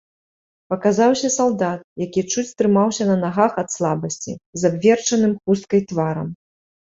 Паказаўся салдат, які чуць трымаўся на нагах ад слабасці, з абверчаным хусткай тварам.